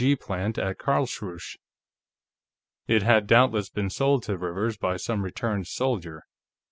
G. plant at Karlsruhe. It had doubtless been sold to Rivers by some returned soldier.